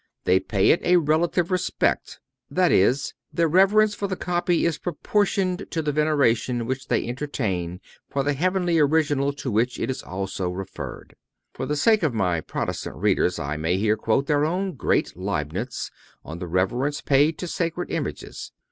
They pay it a relative respect—that is, their reverence for the copy is proportioned to the veneration which they entertain for the heavenly original to which it is also referred. For the sake of my Protestant readers I may here quote their own great Leibnitz on the reverence paid to sacred images.